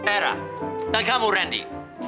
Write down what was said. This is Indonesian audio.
arah dan kamu randy